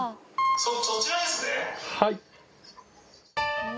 はい。